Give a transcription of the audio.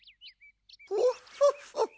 フォッフォッフォッフォッ。